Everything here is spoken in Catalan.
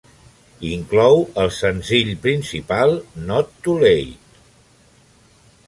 Inclou el senzill principal "Not Too Late".